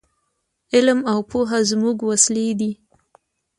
علم او پوهه زموږ وسلې دي.